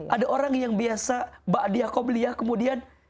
ada orang yang biasa mbak adia qomliyah kemudian